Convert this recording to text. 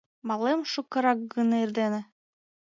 Малем шукырак гын эрдене